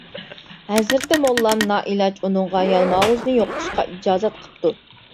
ھەزرىتى موللام نائىلاج ئۇنىڭغا يالماۋۇزنى يوقىتىشقا ئىجازەت قىپتۇ.